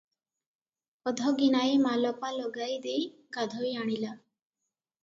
ଅଧଗିନାଏ ମାଲପା ଲଗାଇ ଦେଇ ଗାଧୋଇ ଆଣିଲା ।